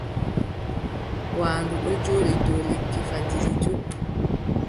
Waandu ɗo jooɗi dow lekki fajiri cup.